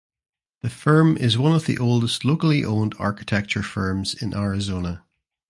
The firm is one of the oldest locally owned architecture firms in Arizona.